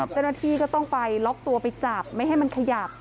เจ้าหน้าที่ก็ต้องไปล็อกตัวไปจับไม่ให้มันขยับ